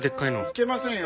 いけませんよ